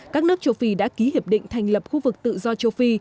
các nước châu phi đã ký hiệp định thành lập khu vực tự do châu phi